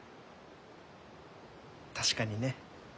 確かにね。